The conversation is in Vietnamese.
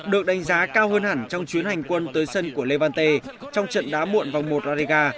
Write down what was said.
được đánh giá cao hơn hẳn trong chuyến hành quân tới sân của levante trong trận đá muộn vòng một rariga